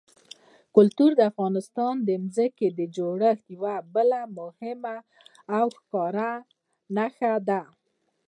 کلتور د افغانستان د ځمکې د جوړښت یوه بله مهمه او ښکاره نښه ده.